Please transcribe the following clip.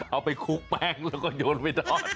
เอาไปคลุกแป้งแล้วก็โยนไปทอด